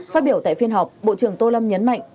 phát biểu tại phiên họp bộ trưởng tô lâm nhấn mạnh